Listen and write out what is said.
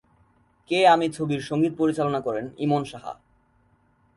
কে আমি ছবির সংগীত পরিচালনা করেন ইমন সাহা।